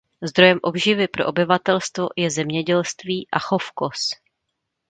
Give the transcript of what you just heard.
Zdrojem obživy pro obyvatelstvo je zemědělství a chov koz.